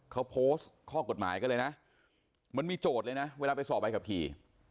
เขาโพสต์ข้อกฎหมายกันเลยนะมันมีโจทย์เลยนะเวลาไปสอบใบขับขี่